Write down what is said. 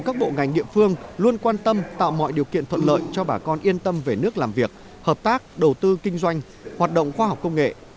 các bộ ngành địa phương luôn quan tâm tạo mọi điều kiện thuận lợi cho bà con yên tâm về nước làm việc hợp tác đầu tư kinh doanh hoạt động khoa học công nghệ